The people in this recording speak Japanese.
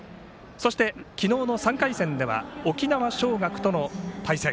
そして、昨日の３回戦では沖縄尚学との対戦。